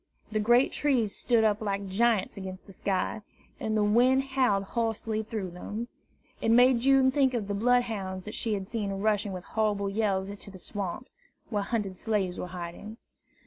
The great trees stood up like giants against the sky, and the wind howled hoarsely through them. It made June think of the bloodhounds that she had seen rushing with horrible yells to the swamps, where hunted slaves were hiding.